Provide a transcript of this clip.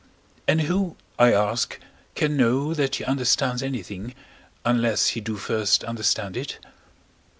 And who, I ask, can know that he understands anything, unless he do first understand it?